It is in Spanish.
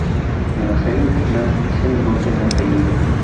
En la serie original, Vincent no tenía apellido.